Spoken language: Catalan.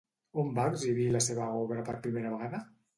On va exhibir la seva obra per primera vegada?